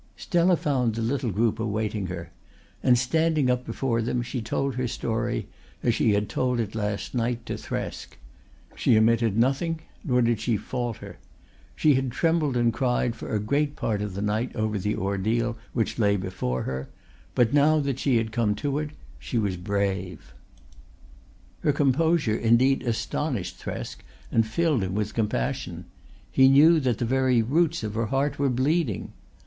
Stella found the little group awaiting her, and standing up before them she told her story as she had told it last night to Thresk. She omitted nothing nor did she falter. She had trembled and cried for a great part of the night over the ordeal which lay before her, but now that she had come to it she was brave. Her composure indeed astonished Thresk and filled him with compassion. He knew that the very roots of her heart were bleeding.